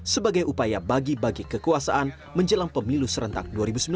sebagai upaya bagi bagi kekuasaan menjelang pemilu serentak dua ribu sembilan belas